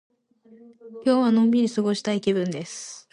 今日はのんびり過ごしたい気分です。